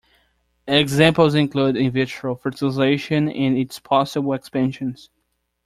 Examples include "in vitro" fertilization and its possible expansions.